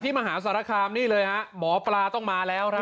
มหาสารคามนี่เลยฮะหมอปลาต้องมาแล้วครับ